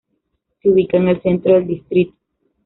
Se ubica en el centro del distrito.